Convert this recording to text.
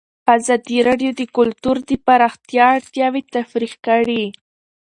ازادي راډیو د کلتور د پراختیا اړتیاوې تشریح کړي.